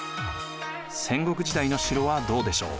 戦国時代の城はどうでしょう？